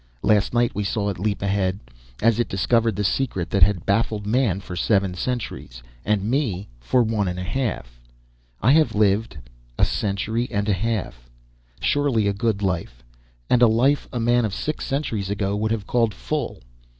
Last night we saw it leap ahead, as it discovered the secret that had baffled man for seven centuries, and me for one and a half. I have lived a century and a half. Surely a good life, and a life a man of six centuries ago would have called full.